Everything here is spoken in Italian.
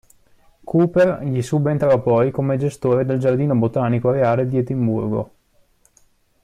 Cooper gli subentrò poi come gestore del Giardino botanico reale di Edimburgo.